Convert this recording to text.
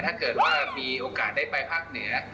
ถ้าเกิดว่ามีโอกาสได้ไปภาคเหนือ